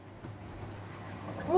うわ！